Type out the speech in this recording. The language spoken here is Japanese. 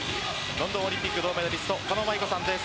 ロンドンオリンピック銅メダリスト・狩野舞子さんです。